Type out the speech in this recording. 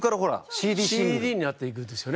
ＣＤになって行くんですよね。